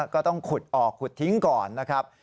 ก็ต้องขุดออกขุดทิ้งก่อนนะครับ